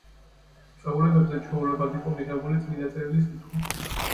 წვეულებებზე ჩვეულებად იყო მიღებული წმიდა წერილის კითხვა.